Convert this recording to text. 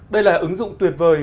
đây là ứng dụng tuyệt vời